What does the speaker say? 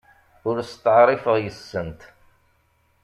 Ur steɛṛifeɣ yes-sent.